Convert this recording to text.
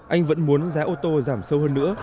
anh vẫn muốn giá ô tô giảm sâu hơn nữa